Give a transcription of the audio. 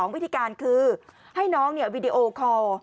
วิธีการคือให้น้องวีดีโอคอล